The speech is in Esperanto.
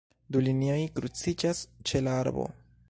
Du linioj kruciĝas ĉe la arbo.